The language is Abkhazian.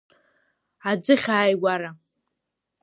Аӡыхь ааигәара.